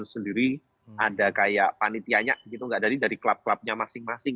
jadi sendiri ada kayak panitianya gitu enggak dari klub klubnya masing masing